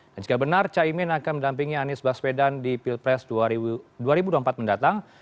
dan jika benar caimin akan mendampingi anies baswedan di pilpres dua ribu empat mendatang